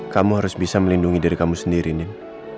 kamu harus bisa melindungi dari kamu sendiri nin